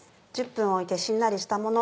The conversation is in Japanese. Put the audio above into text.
１０分置いてしんなりしたもの